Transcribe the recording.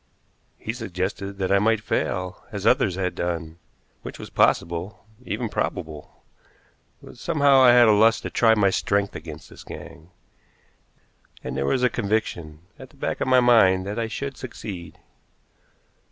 He suggested that I might fail, as others had done, which was possible, even probable, but somehow I had a lust to try my strength against this gang, and there was a conviction at the back of my mind that I should succeed.